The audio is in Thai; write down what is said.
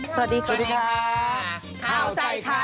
สวัสดีครับ